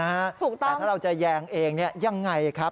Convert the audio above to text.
แต่ถ้าเราจะแยงเองยังไงครับ